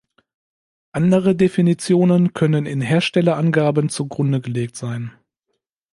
Andere Definitionen können in Herstellerangaben zu Grunde gelegt sein.